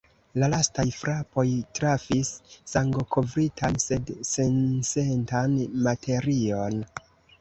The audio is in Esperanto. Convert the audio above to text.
La lastaj frapoj trafis sangokovritan, sed sensentan materion.